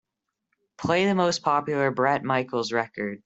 play the most popular Bret Michaels record